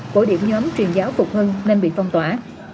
cổ điểm nhóm truyền giáo phục hưng nên bị phong tỏa